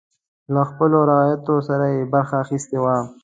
له خپلو رعیتو سره یې برخه اخیستې وای.